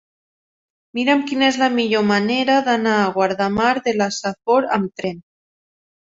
Mira'm quina és la millor manera d'anar a Guardamar de la Safor amb tren.